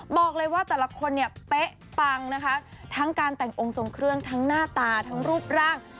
บอกเลยว่าแต่ละคนเนี่ยเป๊ะปังนะคะทั้งการแต่งองค์ทรงเครื่องทั้งหน้าตาทั้งรูปร่าง